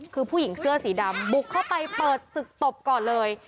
คือผู้หญิงเสื้อสีดำบุกเข้าไปเปิดศึกตบก่อนเลย